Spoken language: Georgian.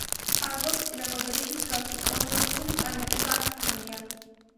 ალბომს წინამორბედის მსგავსი კომერციული წარმატება არ ჰქონია.